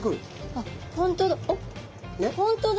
あっ本当だ！